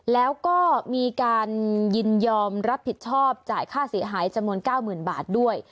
แล้วก็มีการยินยอมรับผิดชอบจ่ายค่าเสียหายจำนวน๙๐๐๐บาทด้วย